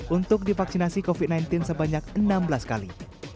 untuk divaksinasi covid sembilan belas sebanyak enam belas kali